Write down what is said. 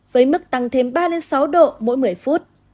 với mức tăng thêm ba sáu độ mỗi một mươi phút